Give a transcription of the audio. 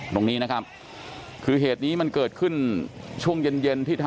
ตรงนี้นะครับที่เหตุนี้มันเกิดขึ้นช่วงเย็น